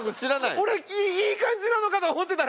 俺いい感じなのかと思ってたら。